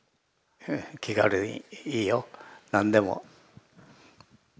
気軽にいいよ何でも。